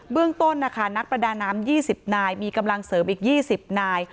เรื่องต้นนะคะนักประดาน้ำ๒๐นายมีกำลังเสริมอีก๒๐นาย